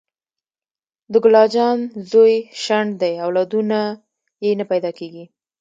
د ګل اجان زوی شنډ دې اولادونه یي نه پیداکیږي